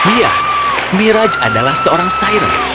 ya mirage adalah seorang syairan